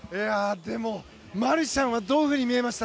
マルシャンはどういうふうに見えた？